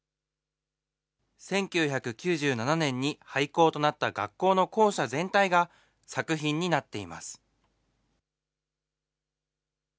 １９９７年に廃校となった学校の校舎全体が作品になっています。